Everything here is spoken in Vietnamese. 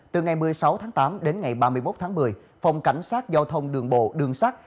từ ngày một mươi sáu tháng tám đến ngày ba mươi một tháng một mươi phòng cảnh sát giao thông đường bộ đường sắt